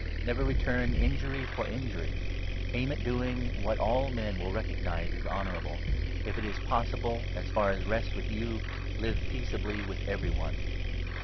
Never return injury for injury. Aim at doing what all men 17 will recognize as honourable. If it is possible, as far as 18 rests with you, live peaceably with every one.